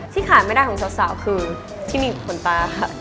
ขาดไม่ได้ของสาวคือที่มีขนตาค่ะ